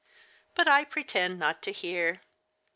"But I pretend not to hear.